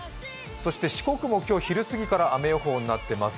四国も今日、昼すぎから雨予報となっています。